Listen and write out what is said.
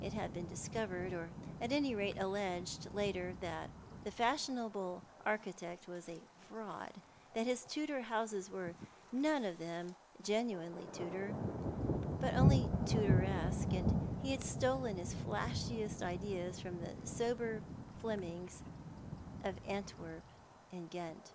It had been discovered, or at any rale alleged, later that the fashionable architect was a fraud, that bis Tudor houses were none of them genuinely Tudor, but only Tudoresque, and that he had stolen his flashiest ideas from the sober Flemings of Antwerp and Ghent.